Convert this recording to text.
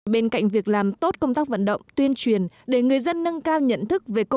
bên cạnh việc làm tốt công tác vận động tuyên truyền để người dân nâng cao nhận thức